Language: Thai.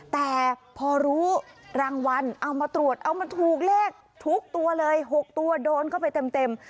แต่พอรู้รางวัลเอามาตรวจเอามันถูกเลขทุกตัวเลย๖ตัวโดนเข้าไปเต็ม